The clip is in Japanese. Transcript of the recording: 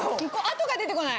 後が出て来ない！